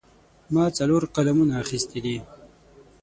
ما څلور قلمونه اخیستي دي.